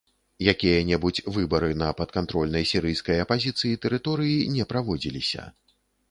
Якія-небудзь выбары на падкантрольнай сірыйскай апазіцыі тэрыторыі не праводзіліся.